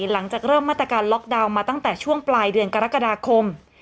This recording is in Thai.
หลังจากเริ่มมาตรการล็อกดาวน์มาตั้งแต่ช่วงปลายเดือนกรกฎาคม